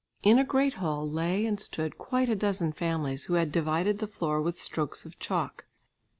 In a great hall lay and stood quite a dozen families, who had divided the floor with strokes of chalk.